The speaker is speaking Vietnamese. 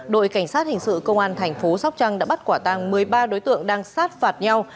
đội cảnh sát hình sự công an thành phố sóc trăng đã bắt quả tàng một mươi ba đối tượng đang sát phạt nhau